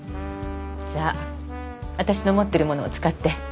じゃあ私の持ってるものを使って。